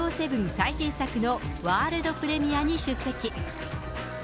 最新作のワールドプレミアに出席。